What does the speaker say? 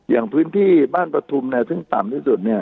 อย่างพื้นที่บ้านปฐุมเนี่ยซึ่งต่ำที่สุดเนี่ย